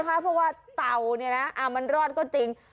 เพราะว่าเต่ามันรอดก็จริง